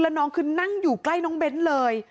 แล้วน้องคือนั่งอยู่ใกล้น้องเบ้นเลย